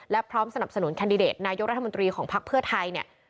และพร้อมสนับสนุนแคนดิเดตนายกรัฐมนตรีของภักดิ์เพื่อไทยเนี่ย